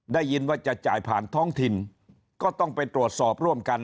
ได้ยินว่าจะจ่ายผ่านท้องถิ่นก็ต้องไปตรวจสอบร่วมกัน